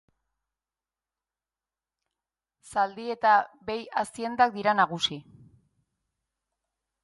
Zaldi- eta behi-aziendak dira nagusi.